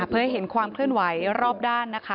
เพื่อให้เห็นความเคลื่อนไหวรอบด้านนะคะ